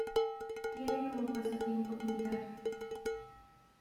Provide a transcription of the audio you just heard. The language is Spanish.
Tiene como pasatiempo pintar.